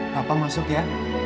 papa masuk ya